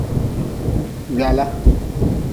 Gwala.